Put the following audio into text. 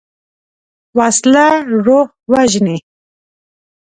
وسله روح وژني